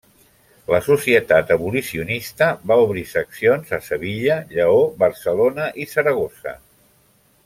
La Societat Abolicionista va obrir seccions a Sevilla, Lleó, Barcelona i Saragossa.